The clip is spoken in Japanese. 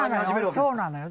そうなのよ。